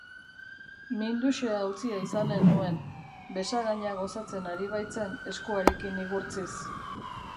Minduxea utzia izanen nuen, besagaina gozatzen ari baitzen eskuarekin igurtziz.